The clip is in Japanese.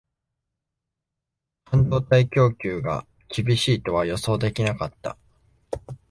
半導体供給が厳しいとは予想できなかった